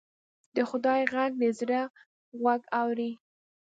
د خدای غږ د زړه غوږ اوري